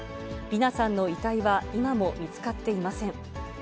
理奈さんの遺体は今も見つかっていません。